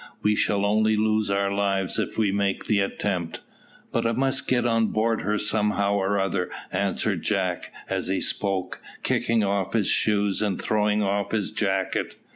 "We shall only lose our lives if we make the attempt." "But I must get on board her somehow or other," answered Jack, as he spoke, kicking off his shoes and throwing off his jacket.